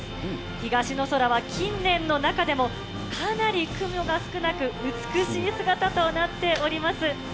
東の空は近年の中でもかなり雲が少なく、美しい姿となっております。